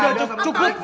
udah udah cukup